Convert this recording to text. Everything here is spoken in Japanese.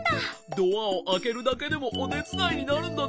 ドアをあけるだけでもおてつだいになるんだね。